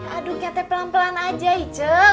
aduh kete pelan pelan aja icet